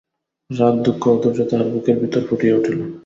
রাগ দুঃখ অধৈর্য তাহার বুকের ভিতরে ফুটিয়া উঠিল।